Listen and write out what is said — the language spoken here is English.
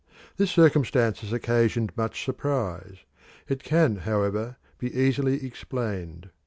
This circumstance has occasioned much surprise: it can, however, be easily explained.